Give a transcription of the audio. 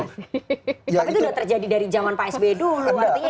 apakah itu sudah terjadi dari zaman pak sby dulu